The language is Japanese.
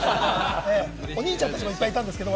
お兄ちゃん達もいっぱいいたんですけど。